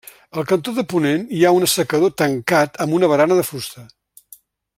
Al cantó de ponent hi ha un assecador tancat amb una barana de fusta.